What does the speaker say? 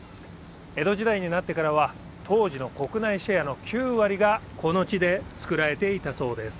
江戸時代になってからは当時の国内シェアの９割がこの地でつくられていたそうです